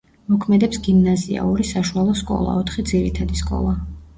მოქმედებს გიმნაზია, ორი საშუალო სკოლა, ოთხი ძირითადი სკოლა.